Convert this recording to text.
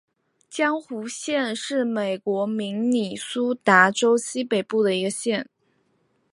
红湖县是美国明尼苏达州西北部的一个县。